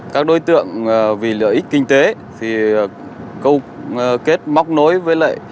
các đối tượng vì lợi ích kinh tế thì câu kết móc nối với lại